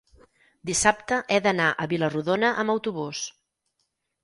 dissabte he d'anar a Vila-rodona amb autobús.